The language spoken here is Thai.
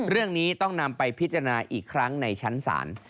เรื่องนี้ต้องนำไปพิจารณาอีกครั้งในชั้นศาล